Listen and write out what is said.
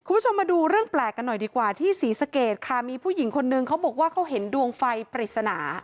คุณผู้ชมมาดูเรื่องแปลกกันหน่อยดีกว่าที่ศรีสะเกดค่ะมีผู้หญิงคนนึงเขาบอกว่าเขาเห็นดวงไฟปริศนา